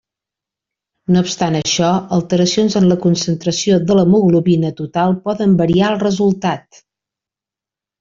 No obstant això alteracions en la concentració de l'hemoglobina total poden variar el resultat.